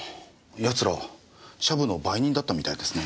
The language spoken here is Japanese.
奴らシャブの売人だったみたいですね。